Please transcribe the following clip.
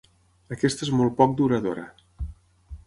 Aquesta és molt poc duradora.